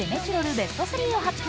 ベスト３を発表。